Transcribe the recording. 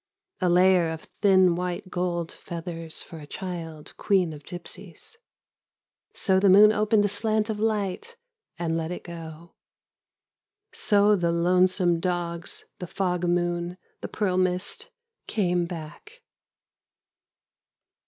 A layer of thin white gold feathers for a child queen of gypsies. So the moon opened a slant of light and let it go. So the lonesome dogs, the fog moon, the pearl mist, came back.